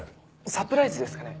サプライズですかね？